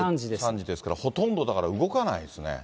３時ですからほとんど動かないですね。